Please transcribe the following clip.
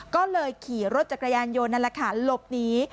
ก็เลยขี่รถจักรยานยนต์นั่นแหละค่ะหลบหนี